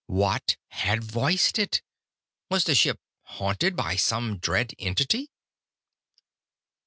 What had voiced it? Was the ship haunted by some dread entity?